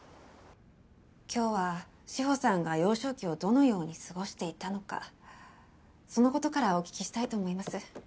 今日は志保さんが幼少期をどのように過ごしていたのかその事からお聞きしたいと思います。